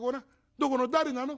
どこの誰なの？